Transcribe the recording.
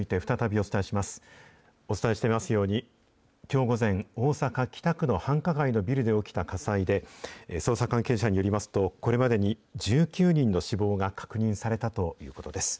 お伝えしていますように、きょう午前、大阪・北区の繁華街のビルで起きた火災で、捜査関係者によりますと、これまでに１９人の死亡が確認されたということです。